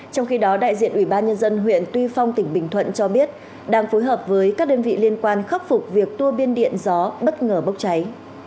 trong khi đó đại diện ủy ban nhân dân huyện tuy phong tỉnh bình thuận cho biết đang phối hợp với các đơn vị liên quan khắc phục việc tua biên điện gió bất ngờ bốc cháy